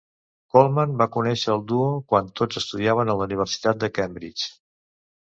Colman va conèixer el duo quan tots estudiaven a la Universitat de Cambridge.